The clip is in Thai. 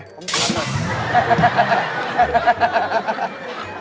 ผมกัญชาด้วย